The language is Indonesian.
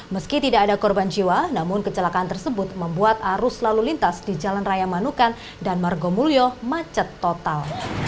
meski tidak ada korban jiwa namun kecelakaan tersebut membuat arus lalu lintas di jalan raya manukan dan margomulyo macet total